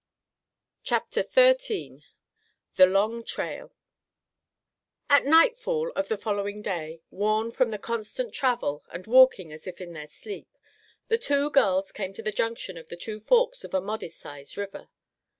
CHAPTER XIII THE LONG TRAIL At nightfall of the following day, worn from the constant travel, and walking as if in their sleep, the two girls came to the junction of the two forks of a modest sized river.